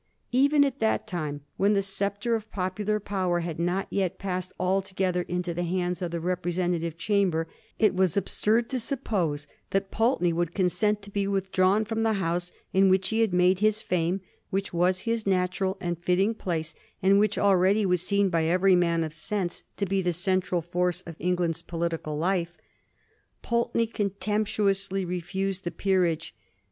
Even at that time, when the sceptre of popular power had not yet passed altogether into the hands of the representative chamber, it was absurd to suppose that Pulteney would consent to be with drawn from the House in which he had made his fiime, which was his natural and fitting place, and which already was seen by every man of sense to be the central force of England's political life. Pulteney contemptuously refused the peerage.